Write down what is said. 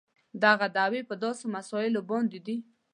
دغه دعوې پر داسې مسایلو باندې دي.